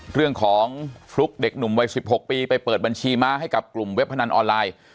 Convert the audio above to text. เรื่องของฟลุ๊กเด็กหนุ่มวัย๑๖ปีไปเปิดบัญชีม้าให้กับกลุ่มเว็บพนันออนไลน์